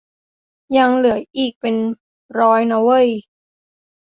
ยังเหลืออีกเป็นร้อยนะเว้ย